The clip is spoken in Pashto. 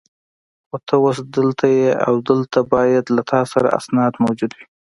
خو ته اوس دلته یې او دلته باید له تا سره اسناد موجود وي.